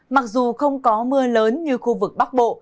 mặc dù không có mưa lớn như khu vực bắc bộ